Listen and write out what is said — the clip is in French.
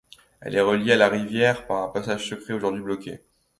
Elle est reliée à la rivière par un passage secret aujourd'hui bloqué.